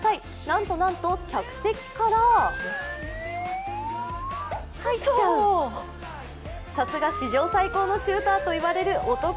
なんとなんと客席からさすが史上最高のシューターと言われる男、